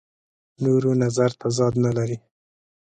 نورو نظر تضاد نه لري.